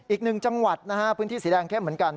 อีกหนึ่งจังหวัดนะฮะพื้นที่สีแดงเข้มเหมือนกัน